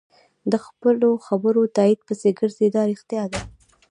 د خپلو خبرو تایید پسې ګرځي دا رښتیا دي.